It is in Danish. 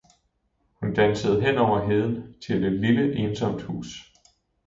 hun dansede hen over heden til et lille ensomt hus.